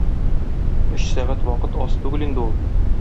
Өч сәгать вакыт аз түгел инде ул.